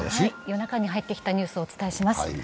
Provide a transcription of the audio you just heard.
夜中に入ってきたニュース、お伝えします。